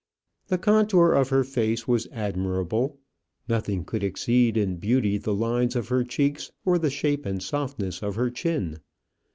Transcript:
The contour of her face was admirable: nothing could exceed in beauty the lines of her cheeks or the shape and softness of her chin.